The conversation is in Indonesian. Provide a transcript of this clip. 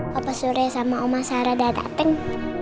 papa sure sama omah sarada dateng